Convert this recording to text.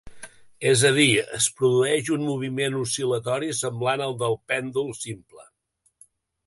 És a dir, es produeix un moviment oscil·latori semblant al del pèndol simple.